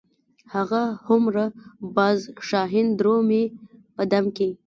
هغه هومره باز شاهین درومي په دم کې.